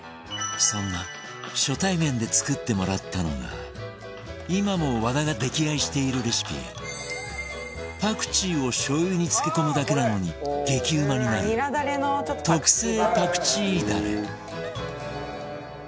そんな初対面で作ってもらったのが今も和田が溺愛しているレシピパクチーをしょう油に漬け込むだけなのに激うまになる特製パクチーだれ